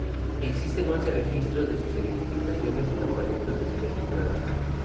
Existen once registros de sus identificaciones y nombramientos de especies nuevas.